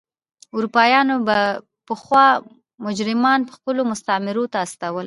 اروپایانو به پخوا مجرمان خپلو مستعمرو ته استول.